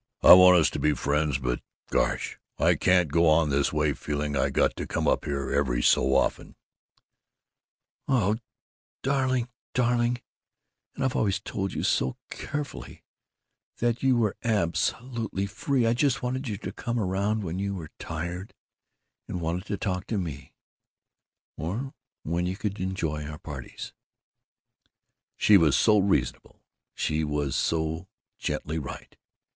"I want us to be friends but, gosh, I can't go on this way feeling I got to come up here every so often " "Oh, darling, darling, and I've always told you, so carefully, that you were absolutely free. I just wanted you to come around when you were tired and wanted to talk to me, or when you could enjoy our parties " She was so reasonable, she was so gently right!